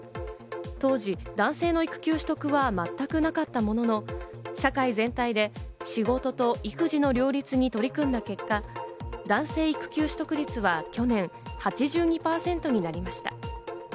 当時、男性の育休取得は全くなかったものの、社会全体で仕事と育児の両立に取り組んだ結果、男性育休取得率は去年、８２％になりました。